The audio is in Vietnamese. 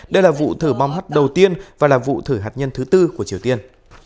đây là vụ thử bom hắt đầu tiên và là vụ thử hạt nhân thứ tư của triều tiên